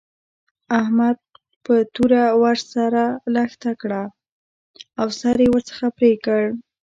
احمد په توره ور سره لښته کړه او سر يې ورڅخه پرې کړ.